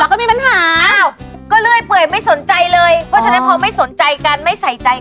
ความรักก็มีปัญหา